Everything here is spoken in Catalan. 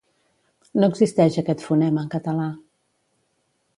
No existeix aquest fonema en català.